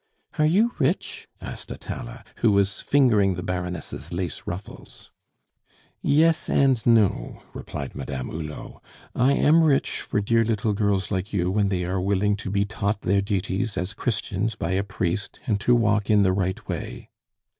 "Are you rich?" asked Atala, who was fingering the Baroness' lace ruffles. "Yes, and No," replied Madame Hulot. "I am rich for dear little girls like you when they are willing to be taught their duties as Christians by a priest, and to walk in the right way."